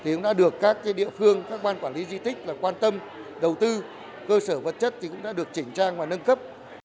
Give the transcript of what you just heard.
thì cũng đã được các địa phương các ban quản lý di tích quan tâm đầu tư cơ sở vật chất cũng đã được chỉnh trang và nâng cấp